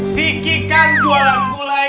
sikikan jualan bulai